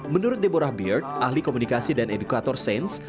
menurut deborah beard ahli komunikasi dan edukator sens